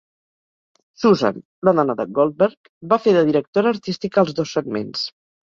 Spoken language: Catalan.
Susan, la dona de Goldberg va fer de directora artística als dos segments.